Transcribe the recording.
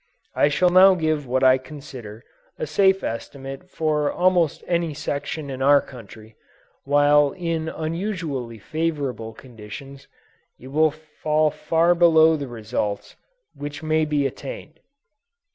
I shall now give what I consider a safe estimate for almost any section in our country; while in unusually favorable locations it will fall far below the results which may be attained.